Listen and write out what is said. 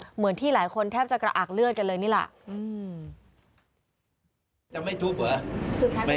เหมือนที่หลายคนแทบจะกระอากเลือดกันเลยนี่แหละ